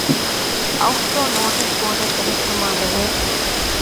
އައުޓްޑޯ ނޯޓިސް ބޯޑެއް ބެހެއްޓުމާއި ބެހޭ